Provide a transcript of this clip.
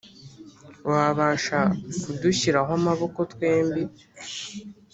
wabasha kudushyiraho amaboko twembi